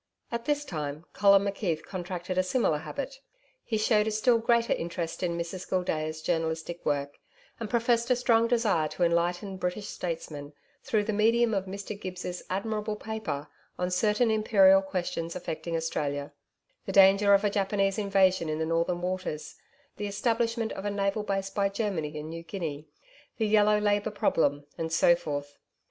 At this time, Colin McKeith contracted a similar habit. He showed a still greater interest in Mrs Gildea's journalistic work and professed a strong desire to enlighten British statesmen, through the medium of Mr Gibbs' admirable paper, on certain Imperial questions affecting Australia the danger of a Japanese invasion in the northern waters the establishment of a naval base by Germany in New Guinea the Yellow Labour Problem and so forth.